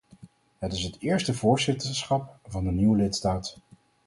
Het is het eerste voorzitterschap van een nieuwe lidstaat.